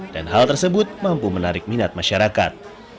dan hal tersebut mampu menarik minat masyarakat